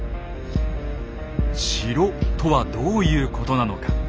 「城」とはどういうことなのか。